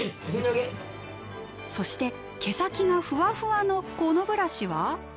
そして毛先がフワフワのこのブラシは。